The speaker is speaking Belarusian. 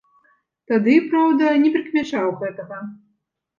Тады, праўда, не прыкмячаў гэтага.